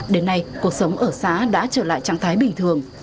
đến nay cuộc sống ở xã đã trở lại trạng thái bình thường